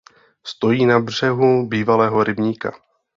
Stojí na břehu bývalého rybníka.